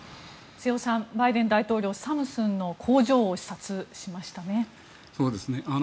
瀬尾さん、バイデン大統領サムスンの工場を視察しましたね。